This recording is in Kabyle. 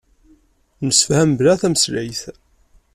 Nemsefham mebla tameslayt